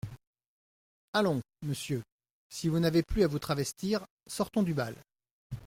Allons, monsieur, si vous n'avez plus à vous travestir, sortons du bal.